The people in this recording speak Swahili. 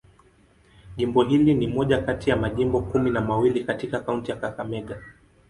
Jimbo hili ni moja kati ya majimbo kumi na mawili katika kaunti ya Kakamega.